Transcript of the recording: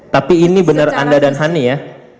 tapi ini benar anda dan hani ya